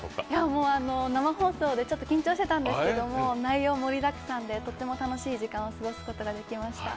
もう生放送でちょっと緊張してたんですけども、内容盛りだくさんでとても楽しい時間を過ごすことができました。